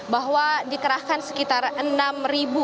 bahwa dikerahkan sekitar enam ribu